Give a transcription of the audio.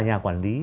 nhà quản lý